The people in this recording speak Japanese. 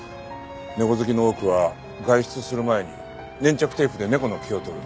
猫好きの多くは外出する前に粘着テープで猫の毛を取る。